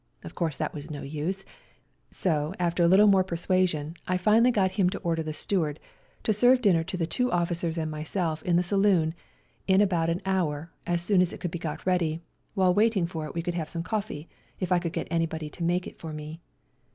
Of course that was no use; so after a little more persuasion I finally got him to order the steward to serve dinner to the two officers and myself in the saloon in about an hour as soon as 202 WE GO TO CORFU it could be got ready, and while waiting for it we could have some coffee, if I could get anybody to make it for me.